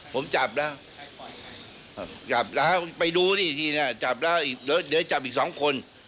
ผมจับแล้วจับแล้วไปดูอีกทีนะจับแล้วเดี๋ยวจับอีก๒คน